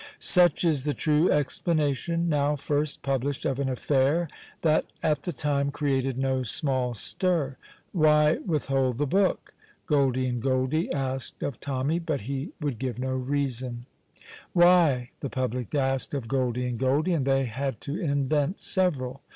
Such is the true explanation (now first published) of an affair that at the time created no small stir. "Why withdraw the book?" Goldie & Goldie asked of Tommy, but he would give no reason. "Why?" the public asked of Goldie & Goldie, and they had to invent several.